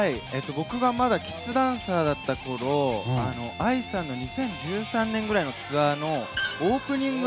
僕がまだキッズダンサーだったころＡＩさんの２０１３年くらいのツアーのオープニング